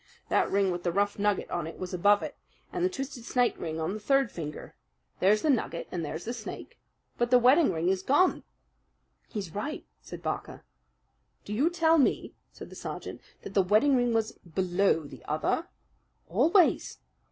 That ring with the rough nugget on it was above it, and the twisted snake ring on the third finger. There's the nugget and there's the snake, but the wedding ring is gone." "He's right," said Barker. "Do you tell me," said the sergeant, "that the wedding ring was BELOW the other?" "Always!"